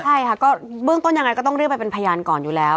ใช่ค่ะก็เบื้องต้นยังไงก็ต้องเรียกไปเป็นพยานก่อนอยู่แล้ว